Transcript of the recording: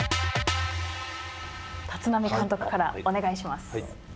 立浪監督からお願いします。